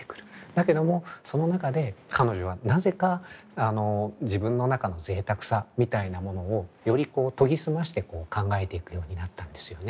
だけどもその中で彼女はなぜか自分の中の贅沢さみたいなものをよりこう研ぎ澄まして考えていくようになったんですよね。